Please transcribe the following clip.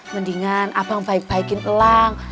mendingan abang baik baikin elang